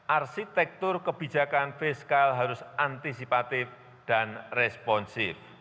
arsitektur kebijakan fiskal harus antisipatif dan responsif